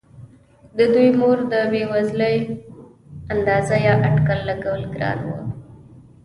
د دې مور د بې وزلۍ اندازه یا اټکل لګول ګران نه دي.